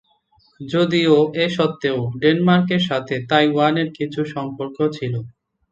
যদিও এ সত্ত্বেও ডেনমার্কের সাথে তাইওয়ানের কিছু সম্পর্ক ছিল।